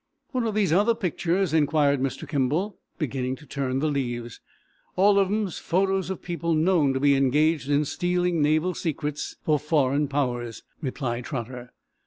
"What are these other pictures?" inquired Mr. Kimball, beginning to turn the leaves. "All of 'em photos of people known to be engaged in stealing naval secrets for foreign powers," replied Trotter.